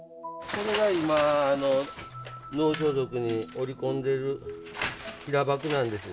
これが今能装束に織り込んでる平箔なんです。